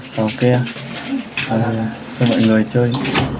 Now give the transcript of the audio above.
sau kia cho mọi người chơi